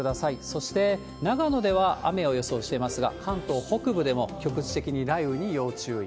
そして長野では雨を予想しておりますが、関東北部でも局地的に雷雨に要注意。